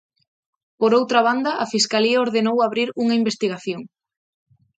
Por outra banda, a Fiscalía ordenou abrir unha investigación.